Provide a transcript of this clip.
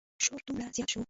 شور دومره زیات شو.